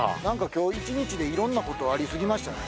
今日一日でいろんなことあり過ぎましたね。